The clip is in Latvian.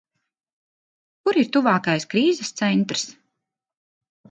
Kur ir tuvākais krīzes centrs?